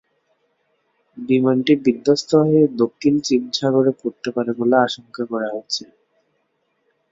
বিমানটি বিধ্বস্ত হয়ে দক্ষিণ চীন সাগরে পড়তে পারে বলে আশঙ্কা করা হচ্ছে।